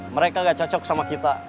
mereka gak cocok sama kita